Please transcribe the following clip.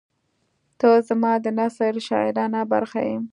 • ته زما د نثر شاعرانه برخه یې.